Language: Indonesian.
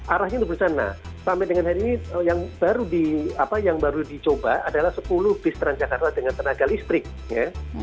arahnya itu berusaha nah sampai dengan hari ini yang baru di apa yang baru dicoba adalah sepuluh bis terancang karena dengan tenaga listrik ya